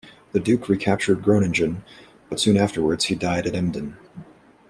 The duke recaptured Groningen, but soon afterwards he died at Emden.